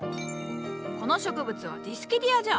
この植物はディスキディアじゃ。